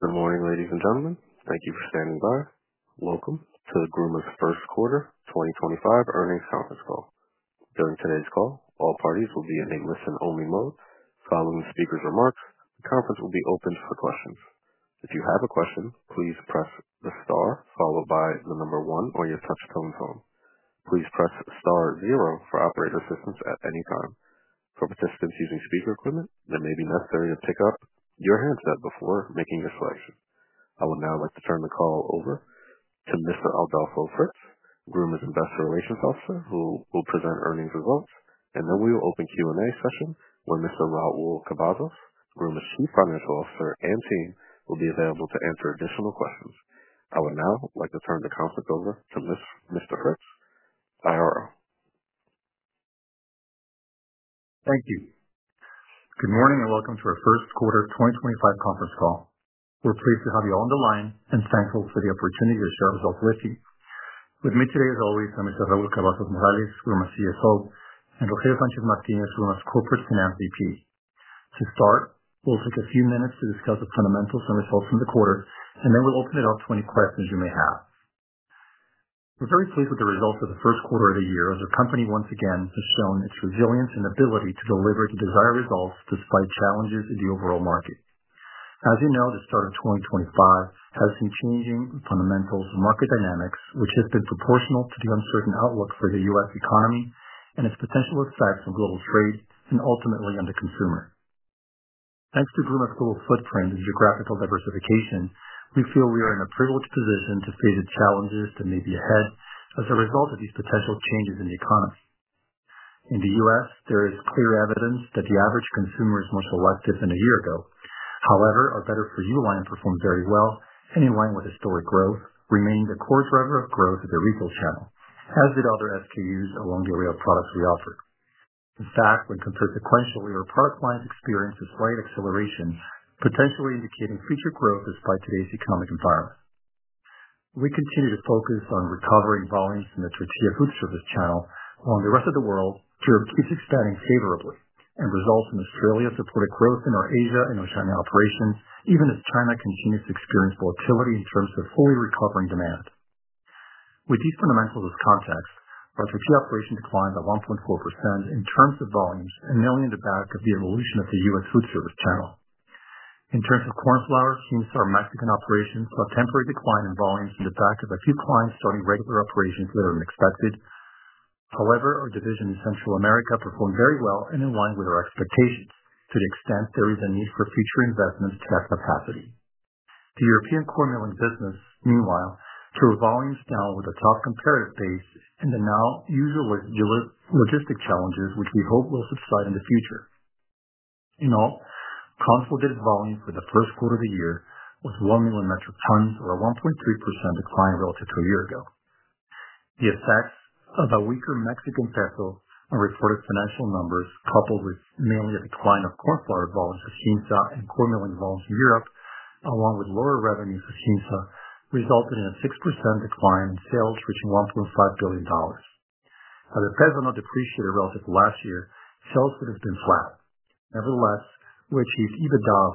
Good morning, ladies and gentlemen. Thank you for standing by. Welcome to Gruma's First Quarter 2025 Earnings Conference Call. During today's call, all parties will be in a listen-only mode. Following the speaker's remarks, the conference will be open for questions. If you have a question, please press the star followed by the number one on your touch-tone phone. Please press star zero for operator assistance at any time. For participants using speaker equipment, it may be necessary to pick up your handset before making your selection. I would now like to turn the call over to Mr. Adolfo Fritz, Gruma's Investor Relations Officer, who will present earnings results, and then we will open the Q&A session where Mr. Raúl Cavazos, Gruma's Chief Financial Officer and team, will be available to answer additional questions. I would now like to turn the conference over to Mr. Fritz, IRO. Thank you. Good morning and welcome to our First Quarter 2025 Conference Call. We're pleased to have you all on the line and thankful for the opportunity to share results with you. With me today, as always, are Mr. Raúl Cavazos Morales, Gruma's CFO, and Rogelio Sánchez Martínez, Gruma's Corporate Finance VP. To start, we'll take a few minutes to discuss the fundamentals and results from the quarter, and then we'll open it up to any questions you may have. We're very pleased with the results of the first quarter of the year as our company once again has shown its resilience and ability to deliver the desired results despite challenges in the overall market. As you know, the start of 2025 has seen changing fundamentals and market dynamics, which has been proportional to the uncertain outlook for the U.S. economy and its potential effects on global trade and ultimately on the consumer. Thanks to Gruma's global footprint and geographical diversification, we feel we are in a privileged position to face the challenges that may be ahead as a result of these potential changes in the economy. In the U.S., there is clear evidence that the average consumer is more selective than a year ago. However, our better-for-you line performed very well and, in line with historic growth, remained the core driver of growth of the retail channel, as did other SKUs along the array of products we offered. In fact, when compared sequentially, our product lines experienced a slight acceleration, potentially indicating future growth despite today's economic environment. We continue to focus on recovering volumes in the tortilla food service channel along the rest of the world to keep expanding favorably, and results in Australia supported growth in our Asia and Oceania operations, even as China continues to experience volatility in terms of fully recovering demand. With these fundamentals as context, our tortilla operation declined by 1.4% in terms of volumes and mainly on the back of the evolution of the U.S. food service channel. In terms of corn flour, GIMSA of Mexican operations saw a temporary decline in volumes on the back of a few clients starting regular operations later than expected. However, our division in Central America performed very well and in line with our expectations to the extent there is a need for future investments to that capacity. The European corn milling business, meanwhile, threw volumes down with a tough comparative base and the now usual logistic challenges, which we hope will subside in the future. In all, consolidated volume for the first quarter of the year was 1 million metric tons, or a 1.3% decline relative to a year ago. The effects of a weaker Mexican peso and reported financial numbers, coupled with mainly a decline of corn flour volumes with GIMSA and corn milling volumes in Europe, along with lower revenues with GIMSA, resulted in a 6% decline in sales, reaching $1.5 billion. As the peso not depreciated relative to last year, sales would have been flat. Nevertheless, we achieved EBITDA of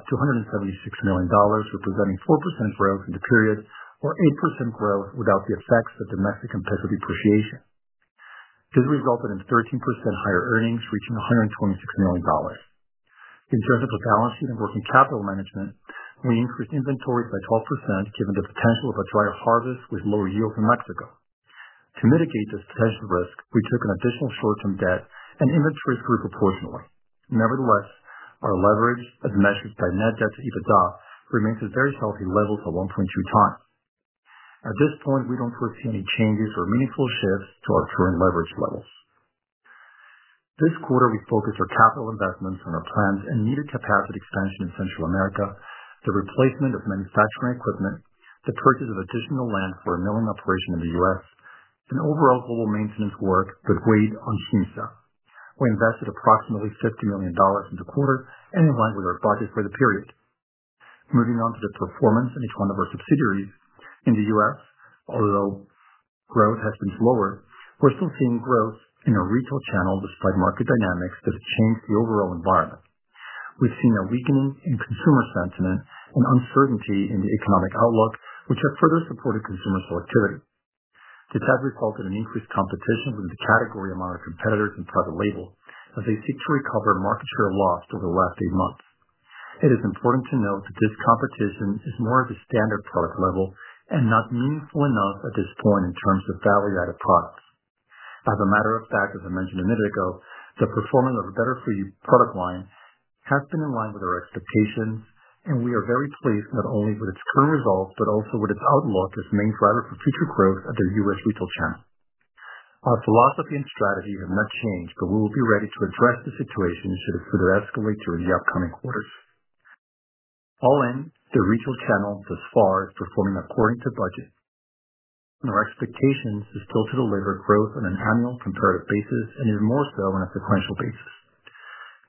$276 million, representing 4% growth in the period, or 8% growth without the effects of the Mexican peso depreciation. This resulted in 13% higher earnings, reaching $126 million. In terms of the balance sheet and working capital management, we increased inventories by 12% given the potential of a drier harvest with lower yields in Mexico. To mitigate this potential risk, we took an additional short-term debt and inventories grew proportionally. Nevertheless, our leverage, as measured by net debt to EBITDA, remains at very healthy levels at 1.2x. At this point, we don't foresee any changes or meaningful shifts to our current leverage levels. This quarter, we focused our capital investments on our plans and needed capacity expansion in Central America, the replacement of manufacturing equipment, the purchase of additional land for a milling operation in the U.S., and overall global maintenance work with weight on GIMSA. We invested approximately $50 million in the quarter and in line with our budget for the period. Moving on to the performance in each one of our subsidiaries. In the U.S., although growth has been slower, we're still seeing growth in our retail channel despite market dynamics that have changed the overall environment. We've seen a weakening in consumer sentiment and uncertainty in the economic outlook, which have further supported consumer selectivity. This has resulted in increased competition within the category among our competitors and private label as they seek to recover market share lost over the last eight months. It is important to note that this competition is more at the standard product level and not meaningful enough at this point in terms of value-added products. As a matter of fact, as I mentioned a minute ago, the performance of a better-for-you product line has been in line with our expectations, and we are very pleased not only with its current results but also with its outlook as main driver for future growth of the U.S. Retail channel. Our philosophy and strategy have not changed, but we will be ready to address the situation should it further escalate during the upcoming quarters. All in, the retail channel thus far is performing according to budget. Our expectation is still to deliver growth on an annual comparative basis and even more so on a sequential basis.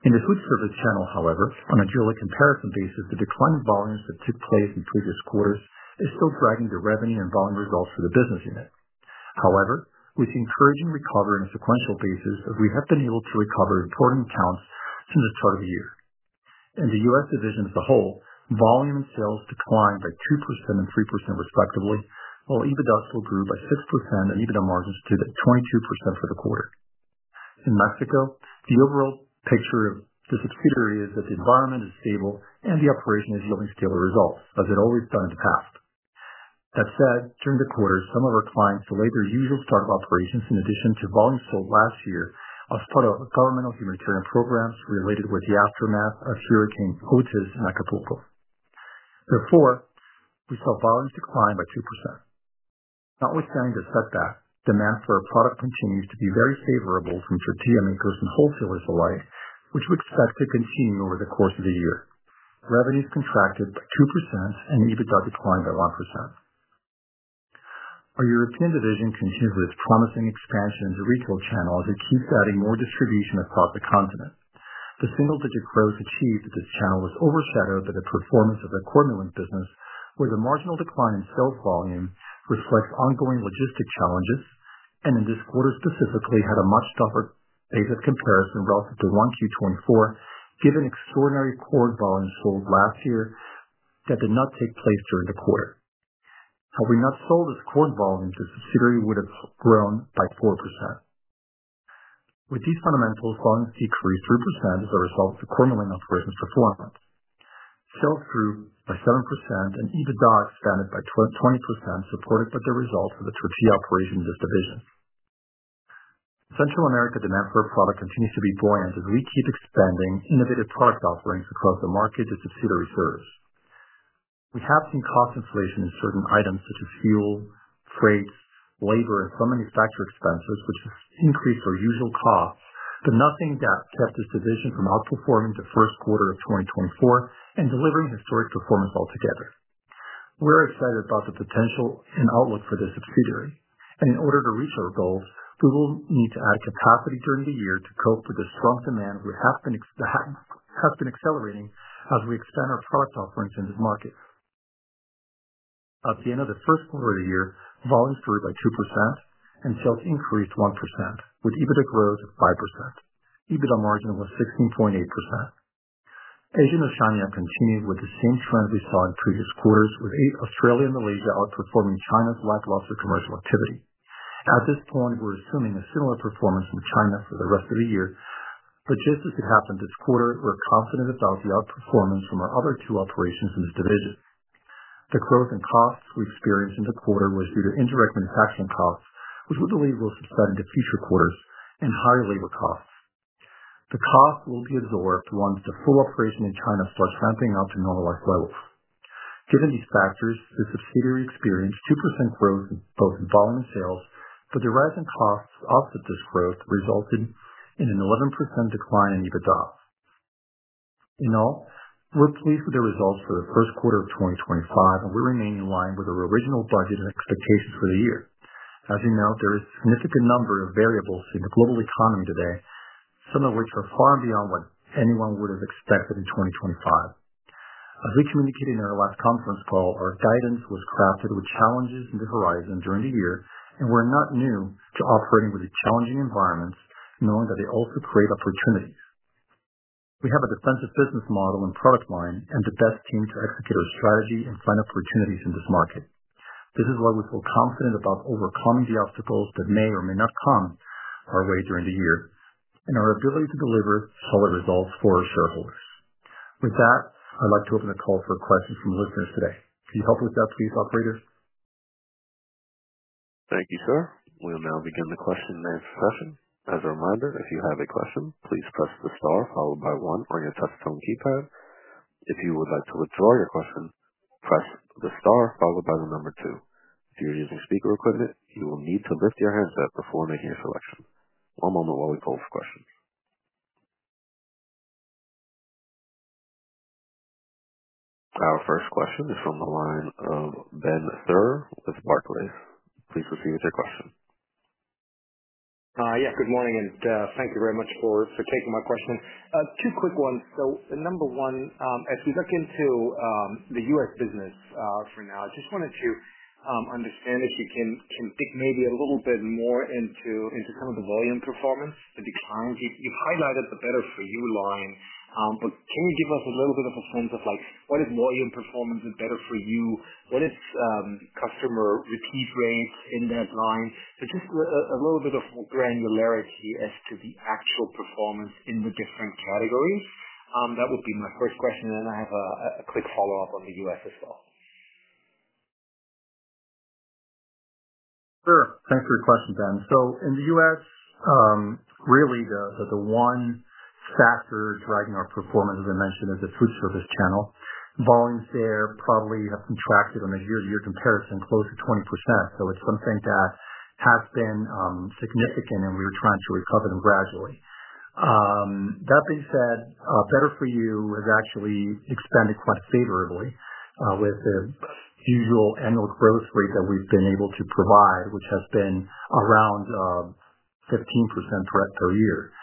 In the food service channel, however, on a yearly comparison basis, the decline in volumes that took place in previous quarters is still dragging the revenue and volume results for the business unit. However, we see encouraging recovery on a sequential basis as we have been able to recover important accounts since the start of the year. In the U.S. division as a whole, volume and sales declined by 2% and 3% respectively, while EBITDA still grew by 6% and EBITDA margins stood at 22% for the quarter. In Mexico, the overall picture of the subsidiary is that the environment is stable and the operation is yielding stable results as it always done in the past. That said, during the quarter, some of our clients delayed their usual start of operations in addition to volumes sold last year as part of governmental humanitarian programs related with the aftermath of Hurricane Otis in Acapulco. Therefore, we saw volumes decline by 2%. Notwithstanding this setback, demand for our product continues to be very favorable from tortilla makers and wholesalers alike, which we expect to continue over the course of the year. Revenues contracted by 2% and EBITDA declined by 1%. Our European division continues with its promising expansion into the retail channel as it keeps adding more distribution across the continent. The single-digit growth achieved at this channel was overshadowed by the performance of the corn milling business, where the marginal decline in sales volume reflects ongoing logistic challenges, and in this quarter specifically had a much tougher base of comparison relative to 1Q24, given extraordinary corn volumes sold last year that did not take place during the quarter. Had we not sold this corn volume, the subsidiary would have grown by 4%. With these fundamentals, volumes decreased 3% as a result of the corn milling operation's performance. Sales grew by 7% and EBITDA expanded by 20% supported by the results of the tortilla operation in this division. Central America demand for our product continues to be buoyant as we keep expanding innovative product offerings across the market the subsidiary serves. We have seen cost inflation in certain items such as fuel, freights, labor, and some manufacturer expenses, which has increased our usual costs, but nothing that kept this division from outperforming the first quarter of 2024 and delivering historic performance altogether. We're excited about the potential and outlook for this subsidiary, and in order to reach our goals, we will need to add capacity during the year to cope with the strong demand that has been accelerating as we expand our product offerings in this market. At the end of the first quarter of the year, volumes grew by 2% and sales increased 1%, with EBITDA growth of 5%. EBITDA margin was 16.8%. Asia and Oceania continued with the same trend we saw in previous quarters, with Australia and Malaysia outperforming China's lackluster commercial activity. At this point, we're assuming a similar performance from China for the rest of the year, but just as it happened this quarter, we're confident about the outperformance from our other two operations in this division. The growth in costs we experienced in the quarter was due to indirect manufacturing costs, which we believe will subside into future quarters, and higher labor costs. The costs will be absorbed once the full operation in China starts ramping up to normalized levels. Given these factors, the subsidiary experienced 2% growth both in volume and sales, but the rising costs offset this growth, resulting in an 11% decline in EBITDA. In all, we're pleased with the results for the first quarter of 2025, and we remain in line with our original budget and expectations for the year. As you know, there is a significant number of variables in the global economy today, some of which are far beyond what anyone would have expected in 2025. As we communicated in our last conference call, our guidance was crafted with challenges in the horizon during the year, and we're not new to operating with the challenging environments, knowing that they also create opportunities. We have a defensive business model and product line and the best team to execute our strategy and find opportunities in this market. This is why we feel confident about overcoming the obstacles that may or may not come our way during the year and our ability to deliver solid results for our shareholders. With that, I'd like to open the call for questions from listeners today. Can you help with that, please, operators? Thank you, sir. We'll now begin the question-and-answer session. As a reminder, if you have a question, please press the star followed by one on your touch-tone keypad. If you would like to withdraw your question, press the star followed by the number two. If you're using speaker equipment, you will need to lift your handset before making your selection. One moment while we pull for questions. Our first question is from the line of Ben Theurer with Barclays. Please proceed with your question. Yeah, good morning and thank you very much for taking my question. Two quick ones. Number one, as we look into the U.S. business for now, I just wanted to understand if you can dig maybe a little bit more into some of the volume performance, the declines. You've highlighted the better-for-you line, but can you give us a little bit of a sense of what is volume performance and better-for-you? What is customer repeat rates in that line? Just a little bit more granularity as to the actual performance in the different categories. That would be my first question, and then I have a quick follow-up on the U.S. as well. Sure. Thanks for your question, Ben. In the U.S., really the one factor driving our performance, as I mentioned, is the food service channel. Volumes there probably have contracted on a year-to-year comparison close to 20%, so it's something that has been significant, and we're trying to recover them gradually. That being said, better-for-you has actually expanded quite favorably with the usual annual growth rate that we've been able to provide, which has been around 15% per year.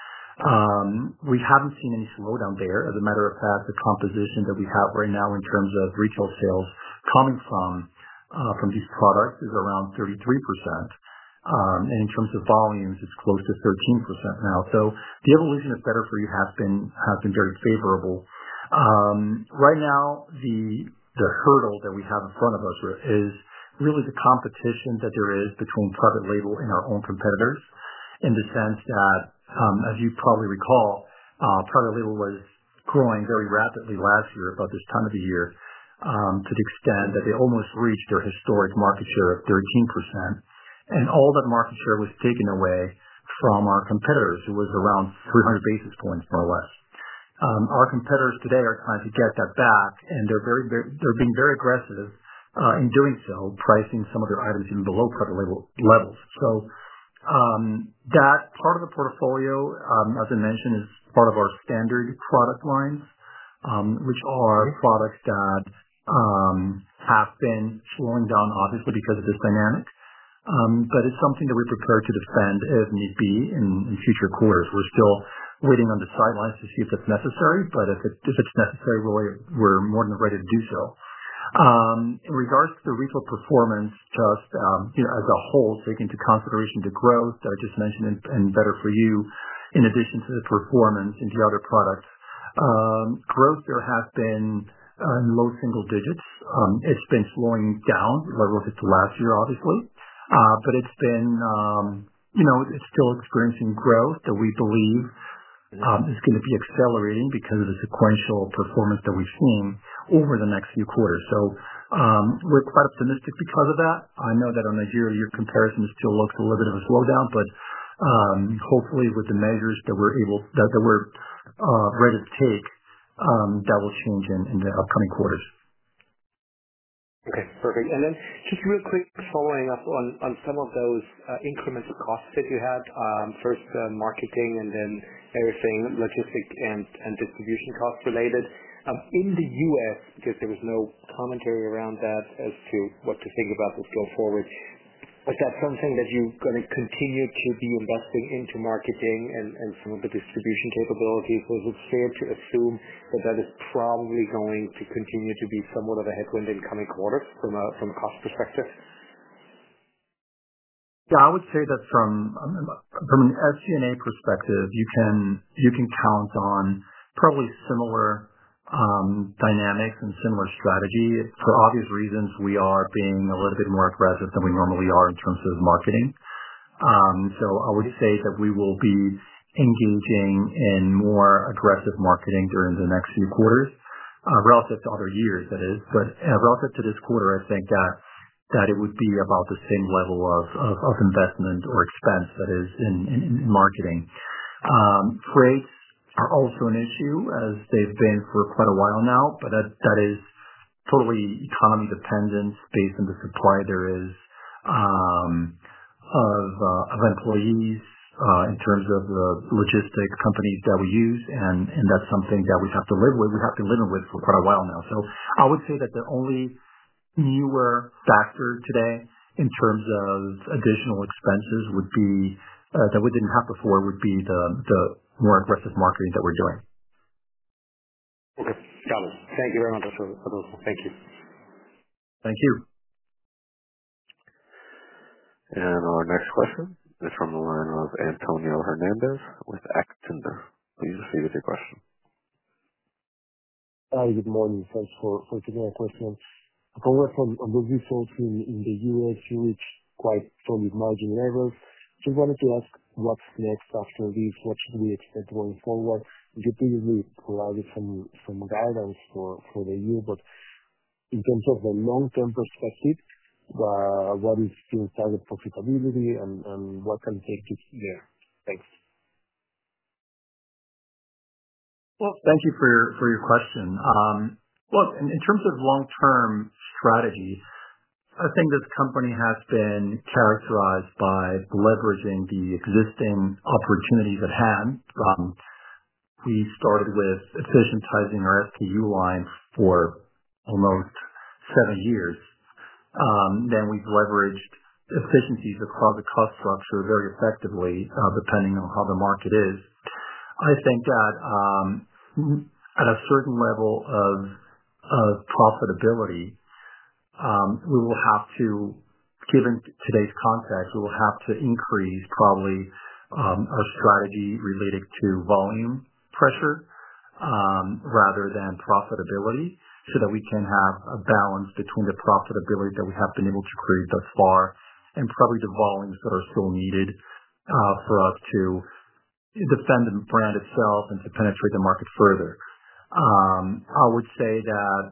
We haven't seen any slowdown there. As a matter of fact, the composition that we have right now in terms of retail sales coming from these products is around 33%, and in terms of volumes, it's close to 13% now. The evolution of better-for-you has been very favorable. Right now, the hurdle that we have in front of us is really the competition that there is between private label and our own competitors in the sense that, as you probably recall, private label was growing very rapidly last year about this time of the year to the extent that they almost reached their historic market share of 13%, and all that market share was taken away from our competitors, who was around 300 basis points more or less. Our competitors today are trying to get that back, and they're being very aggressive in doing so, pricing some of their items even below private label levels. That part of the portfolio, as I mentioned, is part of our standard product lines, which are products that have been slowing down, obviously, because of this dynamic, but it's something that we're prepared to defend if need be in future quarters. We're still waiting on the sidelines to see if it's necessary, but if it's necessary, we're more than ready to do so. In regards to the retail performance, just as a whole, taking into consideration the growth that I just mentioned in better-for-you in addition to the performance in the other products, growth there has been in low single digits. It's been slowing down relative to last year, obviously, but it's still experiencing growth that we believe is going to be accelerating because of the sequential performance that we've seen over the next few quarters. We are quite optimistic because of that. I know that on a year-to-year comparison, it still looks a little bit of a slowdown, but hopefully, with the measures that we're ready to take, that will change in the upcoming quarters. Okay. Perfect. And then just real quick, following up on some of those increments of costs that you had, first marketing and then everything logistic and distribution costs related. In the U.S., because there was no commentary around that as to what to think about this going forward, is that something that you're going to continue to be investing into marketing and some of the distribution capabilities? Is it fair to assume that that is probably going to continue to be somewhat of a headwind in coming quarters from a cost perspective? Yeah, I would say that from an SG&A perspective, you can count on probably similar dynamics and similar strategy. For obvious reasons, we are being a little bit more aggressive than we normally are in terms of marketing. I would say that we will be engaging in more aggressive marketing during the next few quarters relative to other years, that is. Relative to this quarter, I think that it would be about the same level of investment or expense that is in marketing. Freights are also an issue as they've been for quite a while now, but that is totally economy dependent based on the supply there is of employees in terms of the logistic companies that we use, and that's something that we've had to live with. We've had to live with it for quite a while now. I would say that the only newer factor today in terms of additional expenses that we didn't have before would be the more aggressive marketing that we're doing. Okay. Got it. Thank you very much, Adolfo. Thank you. Thank you. Our next question is from the line of Antonio Hernandez with Actinver. Please proceed with your question. Hi, good morning. Thanks for taking my question. Congrats on those results in the U.S., you reached quite solid margin levels. Just wanted to ask what's next after this. What should we expect going forward? You previously provided some guidance for the year, but in terms of the long-term perspective, what is the target profitability and what can take us there? Thanks. Thank you for your question. In terms of long-term strategy, I think this company has been characterized by leveraging the existing opportunities at hand. We started with efficientizing our SKU line for almost seven years. Then we've leveraged efficiencies across the cost structure very effectively depending on how the market is. I think that at a certain level of profitability, we will have to, given today's context, we will have to increase probably our strategy related to volume pressure rather than profitability so that we can have a balance between the profitability that we have been able to create thus far and probably the volumes that are still needed for us to defend the brand itself and to penetrate the market further. I would say that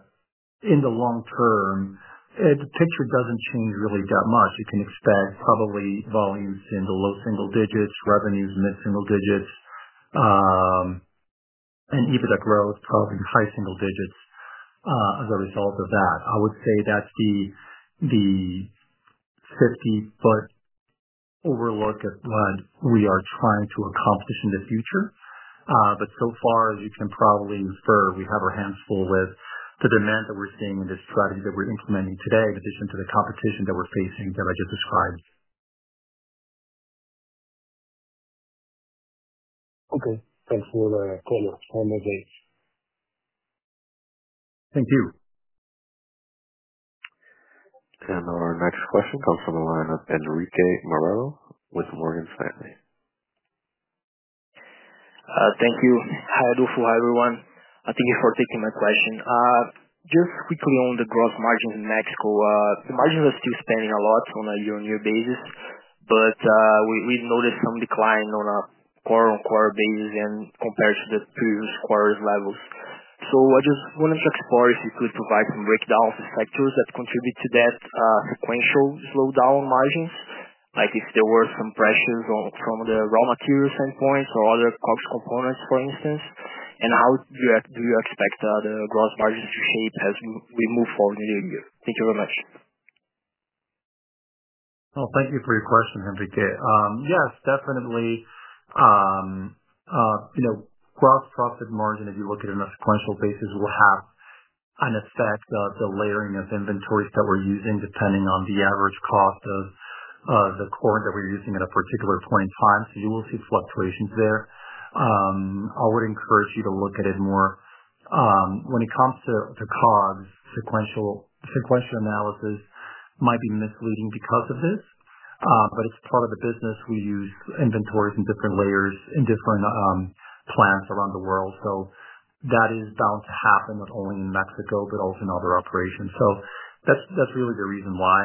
in the long term, the picture does not change really that much. You can expect probably volumes in the low single digits, revenues mid-single digits, and EBITDA growth probably high single digits as a result of that. I would say that's the 50-foot overlook at what we are trying to accomplish in the future. As you can probably infer, we have our hands full with the demand that we're seeing in this strategy that we're implementing today in addition to the competition that we're facing that I just described. Okay. Thanks for the time. Have a great day. Thank you. Our next question comes from the line of Henrique Morello with Morgan Stanley. Thank you. Hi, Adolfo. Hi, everyone. Thank you for taking my question. Just quickly on the gross margins in Mexico, the margins are still spending a lot on a year-on-year basis, but we've noticed some decline on a quarter-on-quarter basis compared to the previous quarter's levels. I just wanted to explore if you could provide some breakdowns of sectors that contribute to that sequential slowdown on margins, like if there were some pressures from the raw material standpoints or other COGS components, for instance, and how do you expect the gross margins to shape as we move forward in the year? Thank you very much. Thank you for your question, Henrique. Yes, definitely. Gross profit margin, if you look at it on a sequential basis, will have an effect of the layering of inventories that we're using depending on the average cost of the corn that we're using at a particular point in time, so you will see fluctuations there. I would encourage you to look at it more. When it comes to COGS, sequential analysis might be misleading because of this, but it's part of the business. We use inventories in different layers in different plants around the world, so that is bound to happen not only in Mexico but also in other operations. That is really the reason why.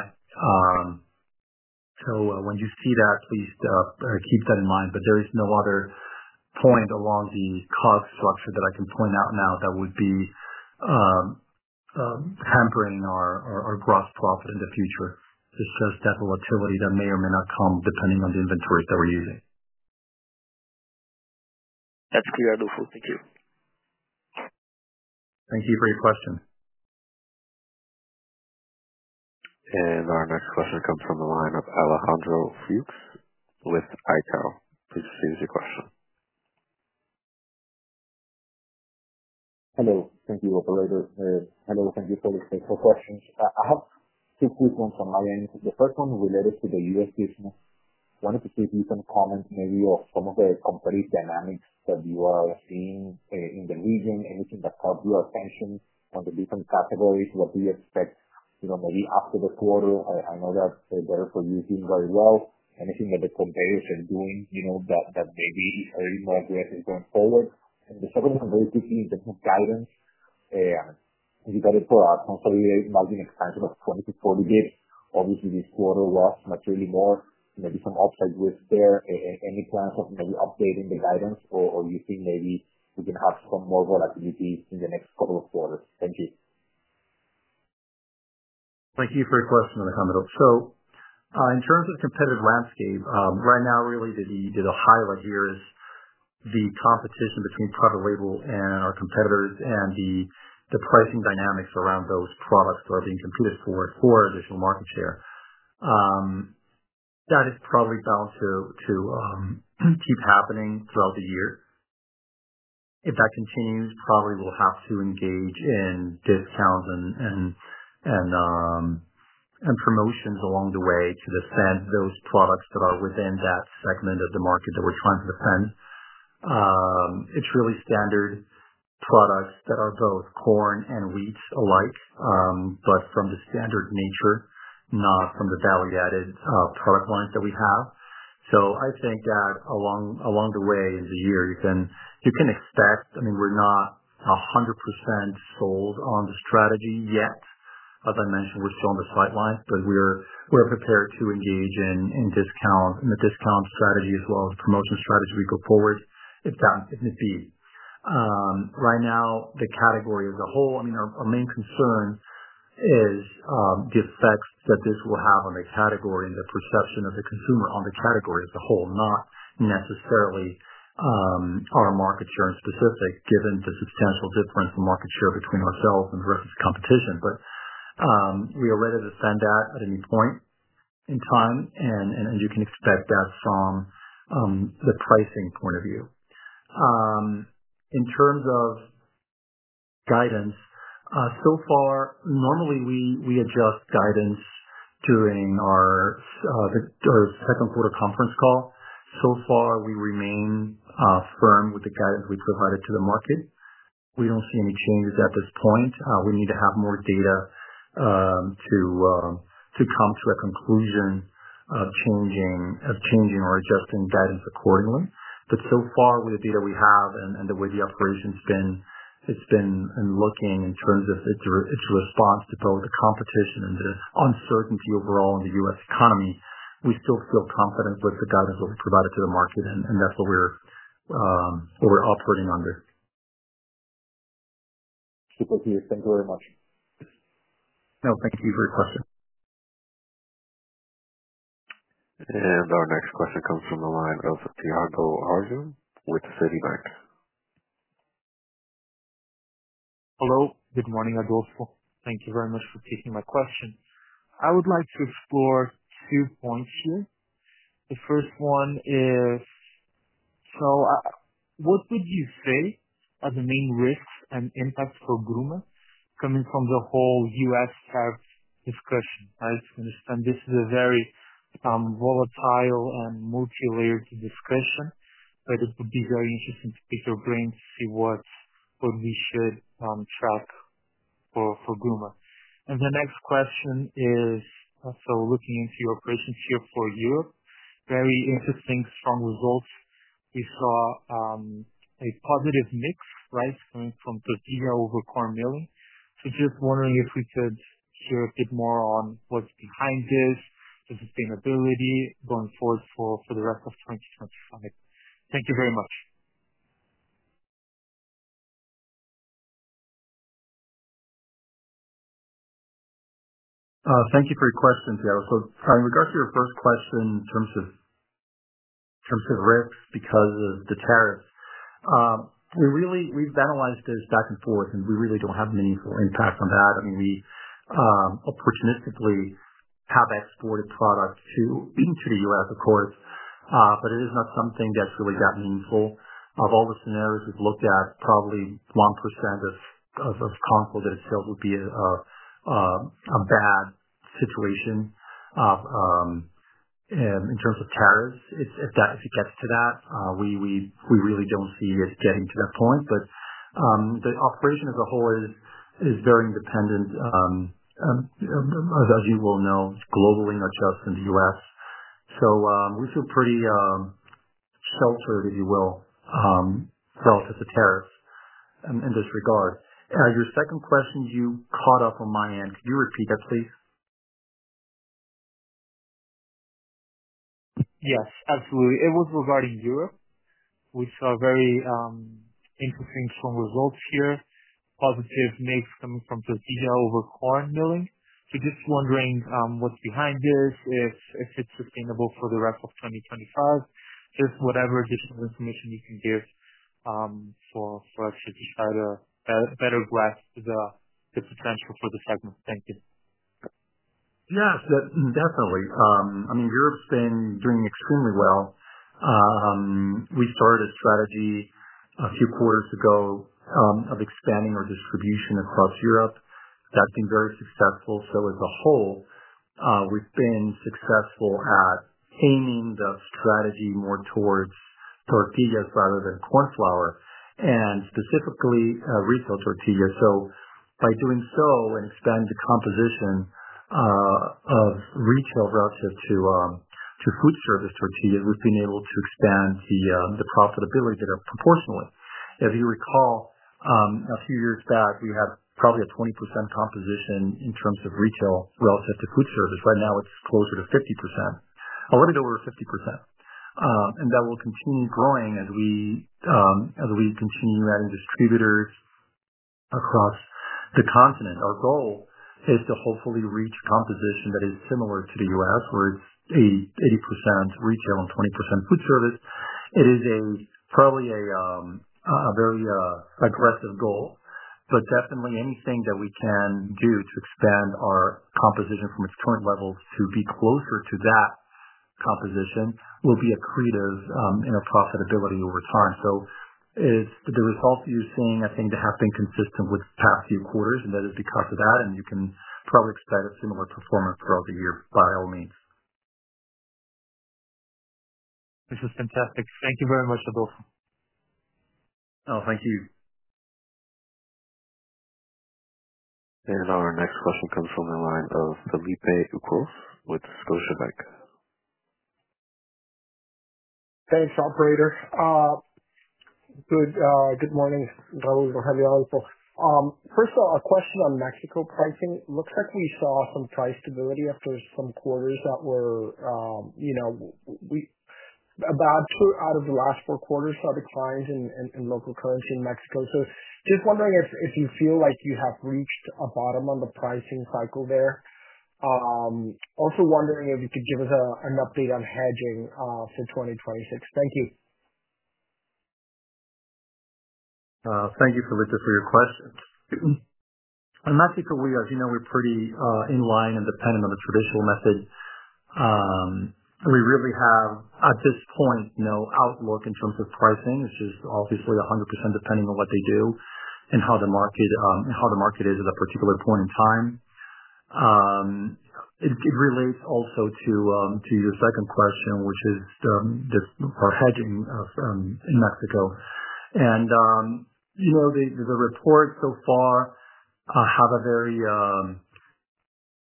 When you see that, please keep that in mind. There is no other point along the COGS structure that I can point out now that would be hampering our gross profit in the future. It's just that volatility that may or may not come depending on the inventories that we're using. That's clear, Adolfo. Thank you. Thank you for your question. Our next question comes from the line of Alejandro Fuchs with Itaú. Please proceed with your question. Hello. Thank you, operator. Hello. Thank you for the questions. I have two quick ones on my end. The first one related to the U.S. business. I wanted to see if you can comment maybe on some of the competitive dynamics that you are seeing in the region, anything that caught your attention on the different categories. What do you expect maybe after the quarter? I know that better-for-you is doing very well. Anything that the competitors are doing that may be a little more aggressive going forward? The second one, very quickly, in terms of guidance, you got it for a consolidated margin expansion of 20-40 basis points. Obviously, this quarter was materially more. Maybe some upside risk there. Any plans of maybe updating the guidance or you think maybe we can have some more volatility in the next couple of quarters? Thank you. Thank you for your question, Alejandro. In terms of the competitive landscape, right now, really, the highlight here is the competition between private label and our competitors and the pricing dynamics around those products that are being competed for additional market share. That is probably bound to keep happening throughout the year. If that continues, probably we'll have to engage in discounts and promotions along the way to defend those products that are within that segment of the market that we're trying to defend. It's really standard products that are both corn and wheat alike, but from the standard nature, not from the value-added product lines that we have. I think that along the way in the year, you can expect, I mean, we're not 100% sold on the strategy yet. As I mentioned, we're still on the sidelines, but we're prepared to engage in discount and the discount strategy as well as the promotion strategy we go forward if need be. Right now, the category as a whole, I mean, our main concern is the effects that this will have on the category and the perception of the consumer on the category as a whole, not necessarily our market share in specific, given the substantial difference in market share between ourselves and the rest of the competition. We are ready to defend that at any point in time, and you can expect that from the pricing point of view. In terms of guidance, so far, normally, we adjust guidance during our second quarter conference call. So far, we remain firm with the guidance we provided to the market. We don't see any changes at this point. We need to have more data to come to a conclusion of changing or adjusting guidance accordingly. However, so far, with the data we have and the way the operation's been and looking in terms of its response to both the competition and the uncertainty overall in the U.S. economy, we still feel confident with the guidance that we provided to the market, and that's what we're operating under. Super. Thank you very much. No, thank you for your question. Our next question comes from the line of Tiago Hardium with Citibank. Hello. Good morning, Adolfo. Thank you very much for taking my question. I would like to explore two points here. The first one is, what would you say are the main risks and impacts for Gruma coming from the whole U.S. tariff discussion, right? I understand this is a very volatile and multi-layered discussion, but it would be very interesting to pick your brain to see what we should track for Gruma. The next question is, looking into your operations here for Europe, very interesting, strong results. We saw a positive mix, right, coming from tortilla over corn milling. Just wondering if we could hear a bit more on what's behind this, the sustainability going forward for the rest of 2025. Thank you very much. Thank you for your question, Tiago. In regards to your first question in terms of risks because of the tariffs, we've analyzed this back and forth, and we really don't have meaningful impact on that. I mean, we opportunistically have exported product to the U.S., of course, but it is not something that's really that meaningful. Of all the scenarios we've looked at, probably 1% of concluded sales would be a bad situation in terms of tariffs. If it gets to that, we really don't see it getting to that point. The operation as a whole is very independent, as you well know, globally, not just in the U.S. We feel pretty sheltered, if you will, relative to tariffs in this regard. Your second question, you caught up on my end. Could you repeat that, please? Yes, absolutely. It was regarding Europe. We saw very interesting, strong results here, positive mix coming from tortillas over corn milling. Just wondering what's behind this, if it's sustainable for the rest of 2025, just whatever additional information you can give for us to try to better grasp the potential for the segment. Thank you. Yes, definitely. I mean, Europe's been doing extremely well. We started a strategy a few quarters ago of expanding our distribution across Europe. That's been very successful. As a whole, we've been successful at aiming the strategy more towards tortillas rather than corn flour and specifically retail tortillas. By doing so and expanding the composition of retail relative to food service tortillas, we've been able to expand the profitability there proportionally. If you recall, a few years back, we had probably a 20% composition in terms of retail relative to food service. Right now, it's closer to 50%. Already over 50%. That will continue growing as we continue adding distributors across the continent. Our goal is to hopefully reach a composition that is similar to the U.S., where it's 80% retail and 20% food service. It is probably a very aggressive goal, but definitely anything that we can do to expand our composition from its current levels to be closer to that composition will be accretive in our profitability over time. The results you're seeing, I think, have been consistent with the past few quarters, and that is because of that, and you can probably expect a similar performance throughout the year, by all means. This is fantastic. Thank you very much, Adolfo. Oh, thank you. Our next question comes from the line of Felipe Ucros with Scotiabank. Thanks operator. Good morning, Raúl, Adolfo. First of all, a question on Mexico pricing. It looks like we saw some price stability after some quarters that were about two out of the last four quarters saw declines in local currency in Mexico. Just wondering if you feel like you have reached a bottom on the pricing cycle there. Also wondering if you could give us an update on hedging for 2026. Thank you. Thank you, Felipe, for your question. In Mexico, as you know, we're pretty in line and dependent on the traditional method. We really have, at this point, no outlook in terms of pricing. It's just obviously 100% depending on what they do and how the market is at a particular point in time. It relates also to your second question, which is our hedging in Mexico. The reports so far have not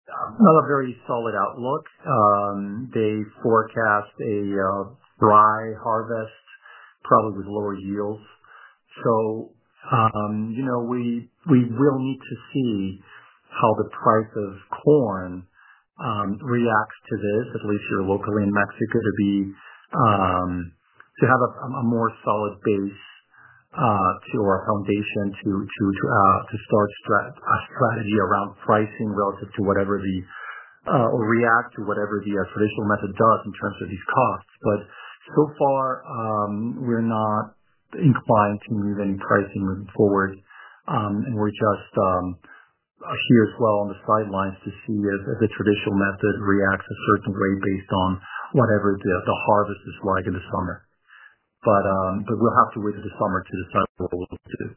a very solid outlook. They forecast a dry harvest, probably with lower yields. We will need to see how the price of corn reacts to this, at least here locally in Mexico, to have a more solid base to our foundation to start a strategy around pricing relative to whatever the or react to whatever the traditional method does in terms of these costs. So far, we're not inclined to move any pricing moving forward, and we're just here as well on the sidelines to see if the traditional method reacts a certain way based on whatever the harvest is like in the summer. We'll have to wait to the summer to decide what we'll do.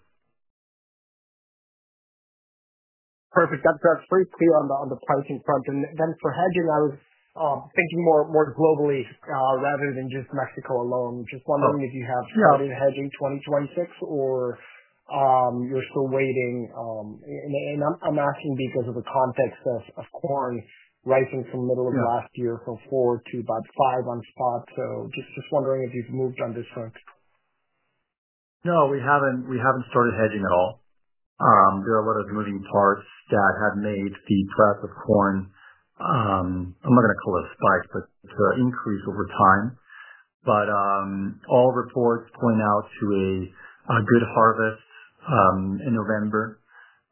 Perfect. That is very clear on the pricing front. For hedging, I was thinking more globally rather than just Mexico alone. Just wondering if you have started hedging 2026 or you are still waiting. I am asking because of the context of corn rising from the middle of last year from $4 to about $5 on spot. Just wondering if you have moved on this front. No, we haven't started hedging at all. There are a lot of moving parts that have made the price of corn, I'm not going to call it a spike, but increase over time. All reports point out to a good harvest in November,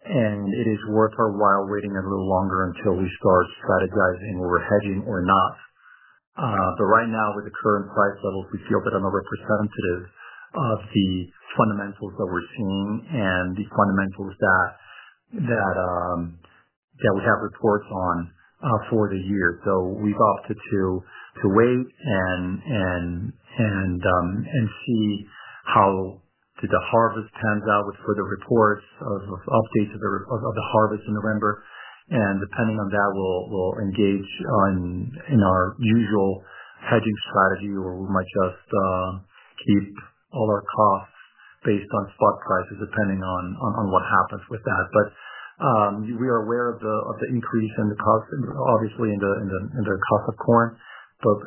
and it is worth our while waiting a little longer until we start strategizing whether we're hedging or not. Right now, with the current price levels, we feel that they are representative of the fundamentals that we're seeing and the fundamentals that we have reports on for the year. We've opted to wait and see how the harvest pans out with further reports of updates of the harvest in November. Depending on that, we'll engage in our usual hedging strategy, or we might just keep all our costs based on spot prices, depending on what happens with that. We are aware of the increase in the cost, obviously, in the cost of corn, but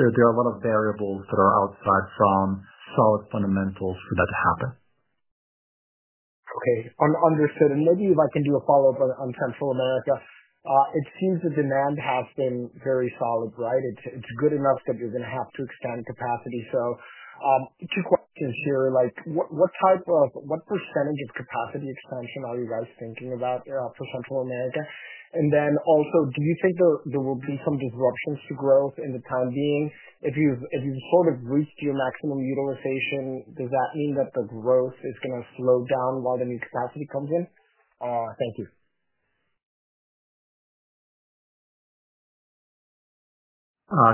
there are a lot of variables that are outside from solid fundamentals for that to happen. Okay. Understood. Maybe if I can do a follow-up on Central America, it seems the demand has been very solid, right? It's good enough that you're going to have to extend capacity. Two questions here. What percentage of capacity expansion are you guys thinking about for Central America? Also, do you think there will be some disruptions to growth in the time being? If you've sort of reached your maximum utilization, does that mean that the growth is going to slow down while the new capacity comes in? Thank you.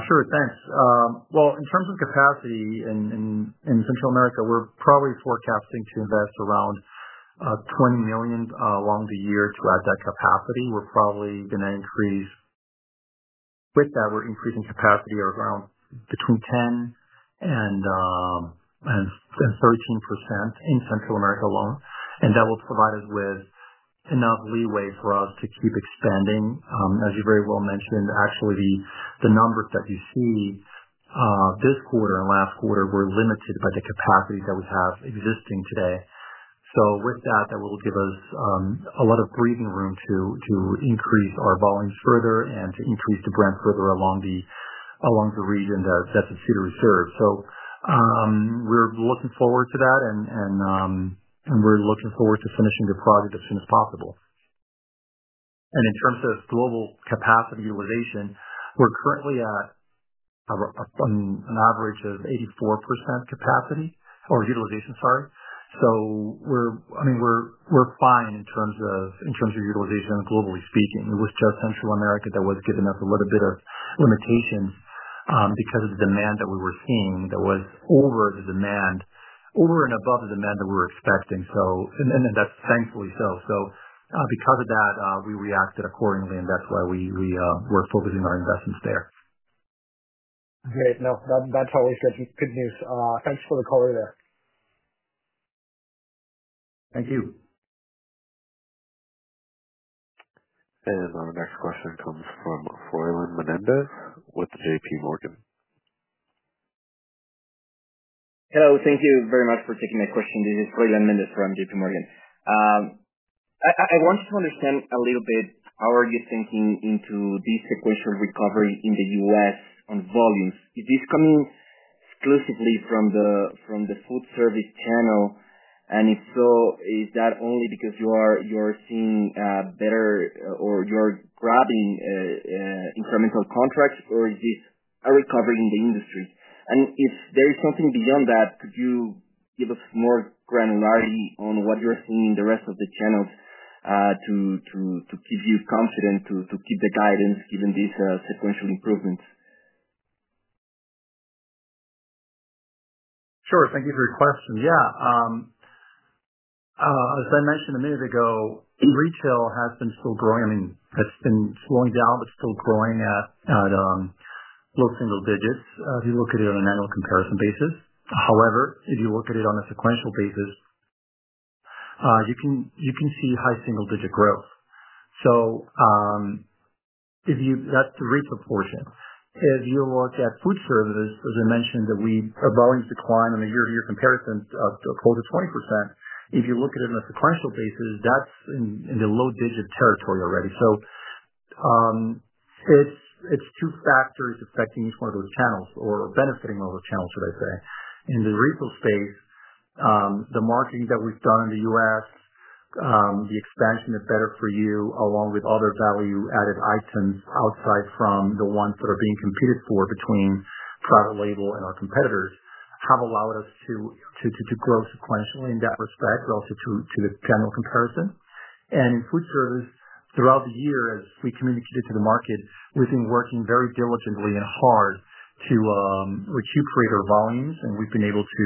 Sure. Thanks. In terms of capacity in Central America, we're probably forecasting to invest around $20 million along the year to add that capacity. We're probably going to increase with that, we're increasing capacity around between 10% and 13% in Central America alone. That will provide us with enough leeway for us to keep expanding. As you very well mentioned, actually, the numbers that you see this quarter and last quarter were limited by the capacity that we have existing today. With that, that will give us a lot of breathing room to increase our volumes further and to increase the brand further along the region that's a feeder reserve. We're looking forward to that, and we're looking forward to finishing the project as soon as possible. In terms of global capacity utilization, we're currently at an average of 84% capacity or utilization, sorry. I mean, we're fine in terms of utilization globally speaking. It was just Central America that was giving us a little bit of limitations because of the demand that we were seeing that was over the demand, over and above the demand that we were expecting. That's thankfully so. Because of that, we reacted accordingly, and that's why we were focusing our investments there. Great. No, that's always good news. Thanks for the color there. Thank you. Our next question comes from Froylan Mendez with JP Morgan. Hello. Thank you very much for taking my question. This is Froylan Mendez from JP Morgan. I wanted to understand a little bit how are you thinking into this sequential recovery in the U.S. on volumes. Is this coming exclusively from the food service channel? If so, is that only because you are seeing better or you're grabbing incremental contracts, or is this a recovery in the industry? If there is something beyond that, could you give us more granularity on what you're seeing in the rest of the channels to give you confidence to keep the guidance given these sequential improvements? Sure. Thank you for your question. Yeah. As I mentioned a minute ago, retail has been still growing. I mean, it's been slowing down, but still growing at low single digits if you look at it on an annual comparison basis. However, if you look at it on a sequential basis, you can see high single-digit growth. That is the retail portion. If you look at food service, as I mentioned, our volumes decline on a year-to-year comparison of close to 20%. If you look at it on a sequential basis, that is in the low-digit territory already. It is two factors affecting each one of those channels or benefiting one of those channels, should I say. In the retail space, the marketing that we've done in the U.S., the expansion of Better-for-you along with other value-added items outside from the ones that are being competed for between private label and our competitors have allowed us to grow sequentially in that respect relative to the general comparison. In food service, throughout the year, as we communicated to the market, we've been working very diligently and hard to recuperate our volumes, and we've been able to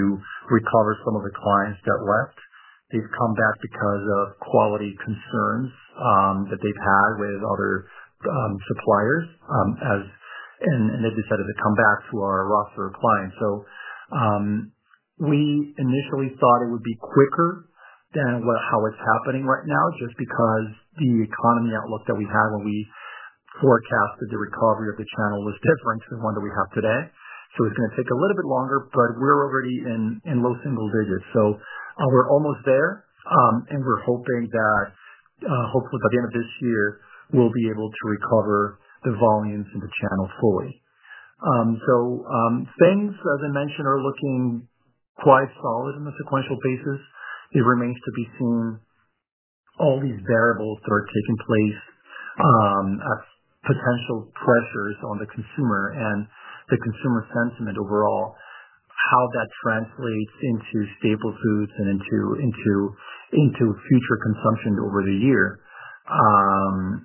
recover some of the clients that left. They've come back because of quality concerns that they've had with other suppliers, and they decided to come back to our roster of clients. We initially thought it would be quicker than how it's happening right now just because the economy outlook that we had when we forecasted the recovery of the channel was different than the one that we have today. It's going to take a little bit longer, but we're already in low single digits. We're almost there, and we're hoping that hopefully by the end of this year, we'll be able to recover the volumes in the channel fully. Things, as I mentioned, are looking quite solid on a sequential basis. It remains to be seen all these variables that are taking place at potential pressures on the consumer and the consumer sentiment overall, how that translates into staple foods and into future consumption over the year. That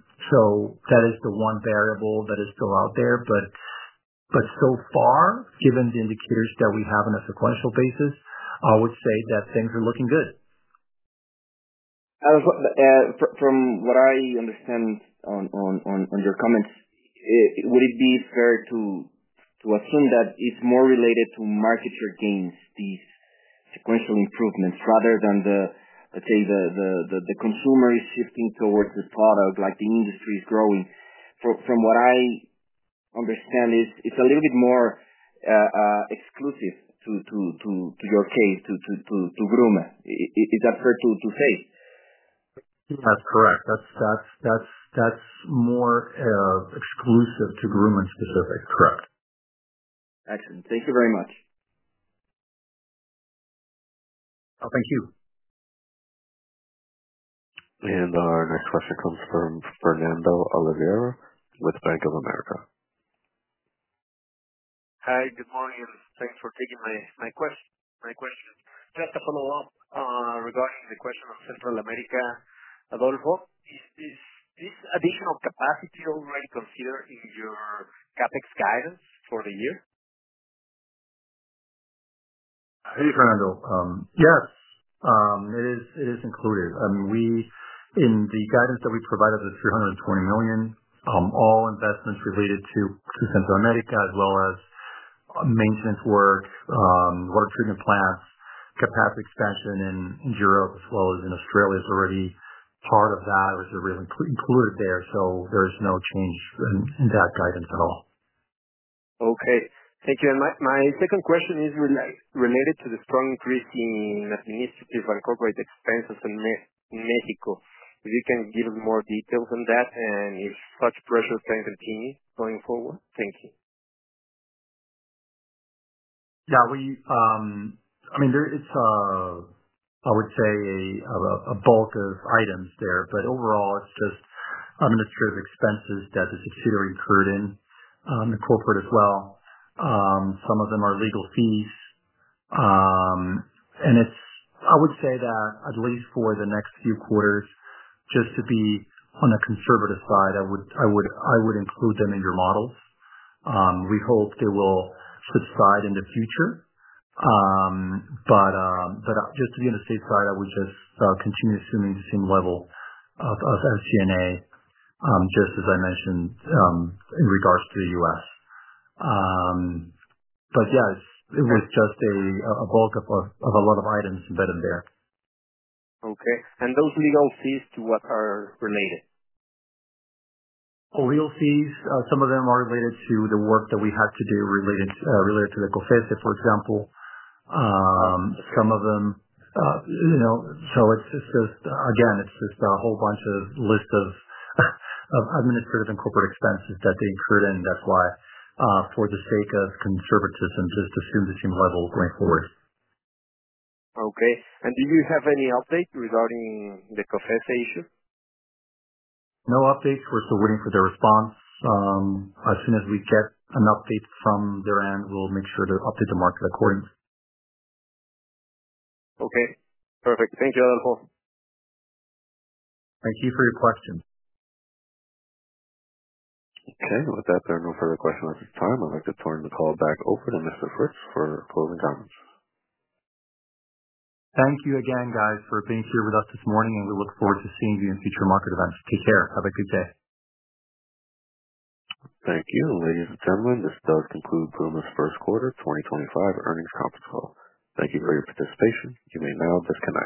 is the one variable that is still out there. So far, given the indicators that we have on a sequential basis, I would say that things are looking good. From what I understand on your comments, would it be fair to assume that it's more related to market share gains, these sequential improvements, rather than, let's say, the consumer is shifting towards the product, like the industry is growing? From what I understand, it's a little bit more exclusive to your case, to Gruma. Is that fair to say? That's correct. That's more exclusive to Gruma specific. Correct. Excellent. Thank you very much. Oh, thank you. Our next question comes from Fernando Olvera with Bank of America. Hi, good morning. Thanks for taking my question. Just to follow up regarding the question on Central America, Adolfo, is this additional capacity already considered in your CapEx guidance for the year? Hey, Fernando. Yes, it is included. I mean, in the guidance that we provided of $320 million, all investments related to Central America, as well as maintenance work, water treatment plants, capacity expansion in Europe, as well as in Australia, is already part of that. It is already included there. There is no change in that guidance at all. Okay. Thank you. My second question is related to the strong increase in administrative and corporate expenses in Mexico. If you can give us more details on that and if such pressures can continue going forward. Thank you. Yeah. I mean, it's, I would say, a bulk of items there. Overall, it's just administrative expenses that the subsidiary incurred in the corporate as well. Some of them are legal fees. I would say that at least for the next few quarters, just to be on the conservative side, I would include them in your models. We hope they will subside in the future. Just to be on the safe side, I would just continue assuming the same level of SG&A, just as I mentioned in regards to the U.S. Yeah, it was just a bulk of a lot of items embedded there. Okay. Those legal fees, to what are related? Oh, legal fees. Some of them are related to the work that we had to do related to the COFECE, for example. Some of them, it's just, again, it's just a whole bunch of list of administrative and corporate expenses that they incurred in. That's why, for the sake of conservatism, just assume the same level going forward. Okay. Do you have any update regarding the COFECE issue? No updates. We're still waiting for their response. As soon as we get an update from their end, we'll make sure to update the market accordingly. Okay. Perfect. Thank you, Adolfo. Thank you for your question. Okay. With that, there are no further questions at this time. I'd like to turn the call back over to Mr. Fritz for closing comments. Thank you again, guys, for being here with us this morning, and we look forward to seeing you in future market events. Take care. Have a good day. Thank you. Ladies and gentlemen, this does conclude Gruma's first quarter 2025 earnings conference call. Thank you for your participation. You may now disconnect.